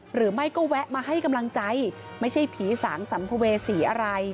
หรือไม่ก็แวะมาให้กำลังใจไม่ใช่ผีสางสัมภเวษีอะไร